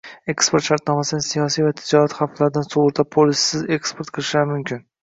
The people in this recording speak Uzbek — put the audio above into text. eksport shartnomasini siyosiy va tijorat xavflaridan sug‘urta polisisiz eksport qilishlari mumkin.